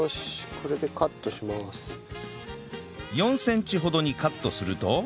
４センチほどにカットすると